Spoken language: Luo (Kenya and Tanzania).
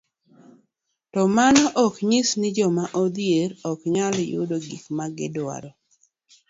To mano ok nyis ni joma odhier ok nyal yudo gik ma gidwarogo.